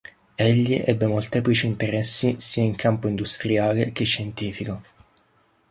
Egli ebbe molteplici interessi sia in campo industriale che scientifico.